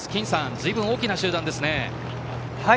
ずいぶん大きな集団ですね。